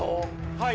はい。